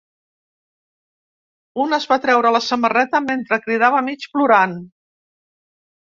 Un es va treure la samarreta mentre cridava mig plorant.